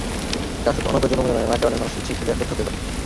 কারণ, শুধু অনিরাপদ যৌনমিলনে নয়, নানা কারণে মানুষ এইচআইভি আক্রান্ত হতে পারে।